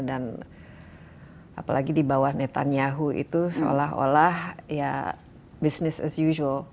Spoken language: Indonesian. dan apalagi di bawah netanyahu itu seolah olah ya business as usual